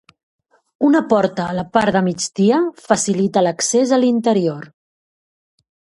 Una porta a la part de migdia facilita l'accés a l'interior.